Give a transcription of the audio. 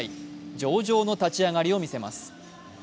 上々の立ち上がりを見せます。